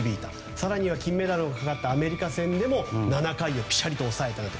更には金メダルのかかったアメリカ戦でも７回をぴしゃりと抑えたと。